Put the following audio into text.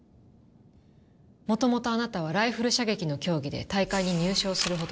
元々あなたはライフル射撃の競技で大会に入賞するほどの腕前。